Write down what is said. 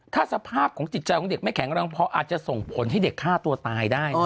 ถ้าสภาพของจิตใจของเด็กไม่แข็งแรงพออาจจะส่งผลให้เด็กฆ่าตัวตายได้